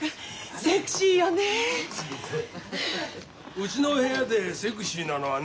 うちの部屋でセクシーなのはね